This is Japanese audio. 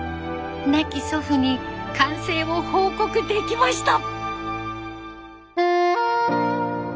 亡き祖父に完成を報告できました。